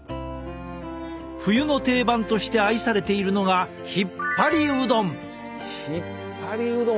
冬の定番として愛されているのがひっぱりうどんや。